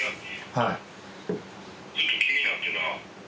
はい。